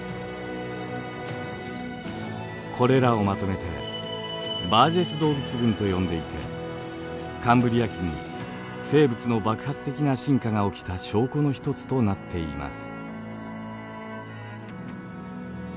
これらをまとめてバージェス動物群と呼んでいてカンブリア紀に生物の爆発的な進化が起きた証拠の一つとなっています。